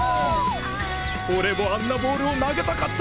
俺もあんなボールを投げたかった！